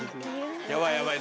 やばいやばい。